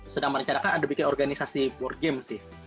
sedang merencanakan ada bikin organisasi board game sih